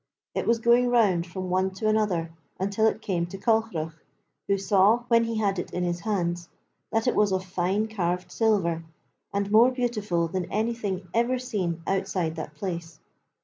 It was going round from one to another until it came to Colcheragh, who saw, when he had it in his hands, that it was of fine carved silver, and more beautiful than anything ever seen outside that place.